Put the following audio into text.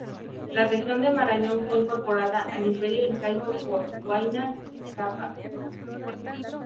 La región de Marañón fue incorporada al imperio incaico por Huayna Cápac.